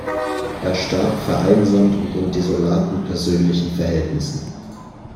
Er starb vereinsamt und in desolaten persönlichen Verhältnissen.